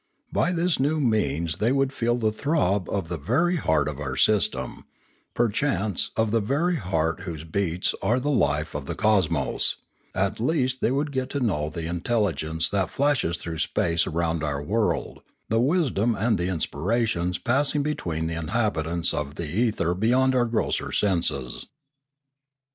By this new means they would feel the throb of the very heart of our system, per chance of the very heart whose beats are the life of the cosmos; at least they would get to know the intelli gence that flashes through space around our world, the wisdom and the inspirations passing between the in habitants of the ether beyond our grosser senses.